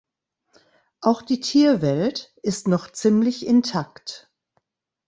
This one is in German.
Auch die Tierwelt ist noch ziemlich intakt.